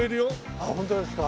ああホントですか？